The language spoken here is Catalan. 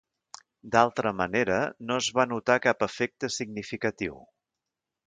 D'altra manera, no es va notar cap efecte significatiu.